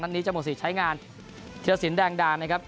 นั้นนี้จะหมดสิทธิ์ใช้งานเทียดศิลป์แดงดาวนะครับ